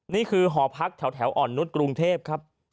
หอพักแถวอ่อนนุษย์กรุงเทพครับ